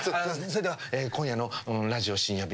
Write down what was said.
それでは今夜のラジオ深夜